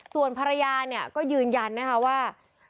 ส่วนภรรยาก็ยืนยันนะคะว่า